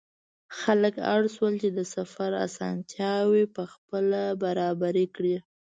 خلک اړ شول چې د سفر اسانتیاوې پخپله برابرې کړي.